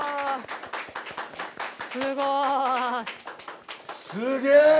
すごーい！